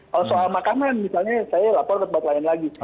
kalau soal makanan misalnya saya lapor ke tempat lain lagi